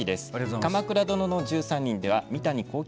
「鎌倉殿の１３人」では三谷幸喜